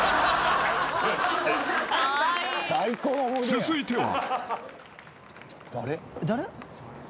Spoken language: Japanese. ［続いては］